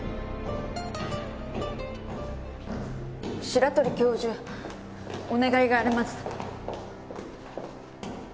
白鳥教授お願いがあります。